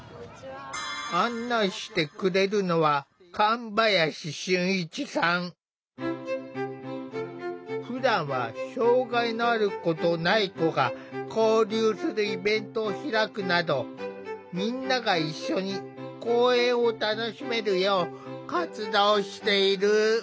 案内してくれるのはふだんは障害のある子とない子が交流するイベントを開くなどみんなが一緒に公園を楽しめるよう活動している。